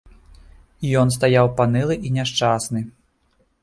Ён стаяў панылы і няшчасны.